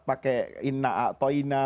pakai inna atau ina